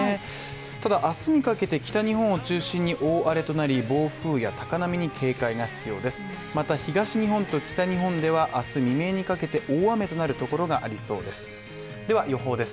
ただ明日にかけて北日本を中心に大荒れとなり暴風や高波に警戒が必要です。